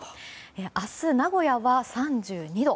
明日、名古屋は３２度。